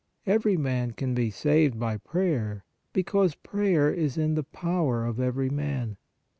Every man can be saved by prayer, because PRAYER IS IN THE POWER OF EVERY MAN.